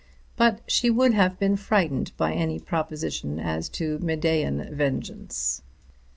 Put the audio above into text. But she would have been frightened by any proposition as to Medean vengeance.